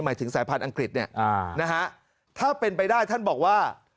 หมายถึงสายพันธุ์อังกฤษเนี่ยนะฮะถ้าเป็นไปได้ท่านบอกว่า